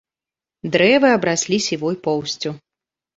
Дрэвы абраслі сівой поўсцю.